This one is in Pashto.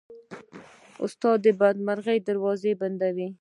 استاد د بدمرغۍ دروازې بندوي.